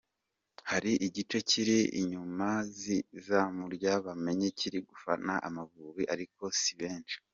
Hari igice kiri inyuma y’izamu rya Bakame kiri gufana Amavubi, ariko si benshi.